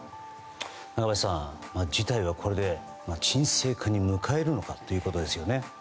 中林さん、事態はこれで沈静化に迎えるのかということですよね。